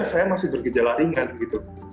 saya masih bergejala ringan gitu